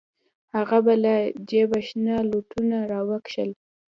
هغه به له جيبه شنه لوټونه راوکښل.